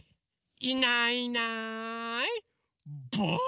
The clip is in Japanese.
いないいないばあっ！